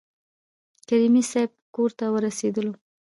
کریمي صیب کورته ورسېدلو.